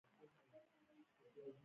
ایا زه باید صبر وکړم؟